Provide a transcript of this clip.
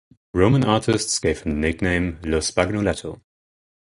Roman artists gave him the nickname "Lo Spagnoletto".